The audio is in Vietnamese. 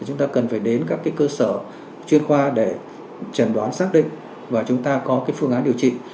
chúng ta cần phải đến các cơ sở chuyên khoa để trần đoán xác định và chúng ta có phương án điều trị